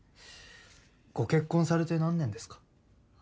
ご結婚されて何年ですか？